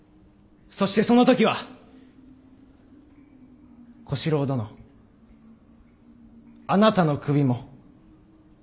そしてその時は小四郎殿あなたの首も。